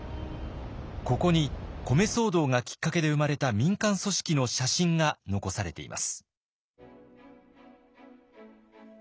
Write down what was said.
ここに米騒動がきっかけで生まれた民間組織の写真が残されています。